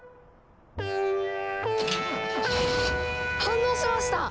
反応しました！